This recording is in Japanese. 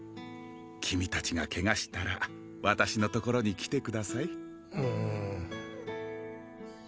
君達がケガしたら私のところに来てください